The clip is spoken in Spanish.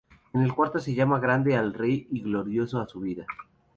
En el cuarto se llama grande al rey y glorioso a su vida.